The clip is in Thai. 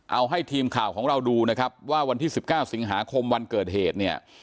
เอาให้ทีมข่าวของเราดูนะครับว่าวันที่๑๙สิงหาคมวันเกิดเหตุเนี่ย